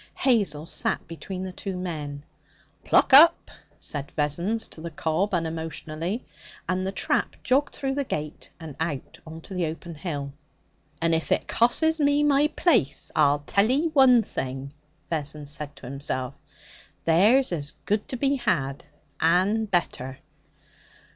Hazel sat between the two men. 'Pluck up!' said Vessons to the cob unemotionally, and the trap jogged through the gate and out on to the open hill. 'And if it cosses me my place, I'll tell ye one thing!' Vessons said to himself: 'There's as good to be had, and better.'